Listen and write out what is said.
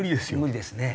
無理ですね。